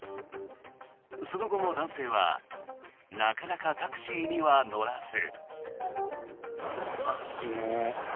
その後も男性はなかなかタクシーには乗らず。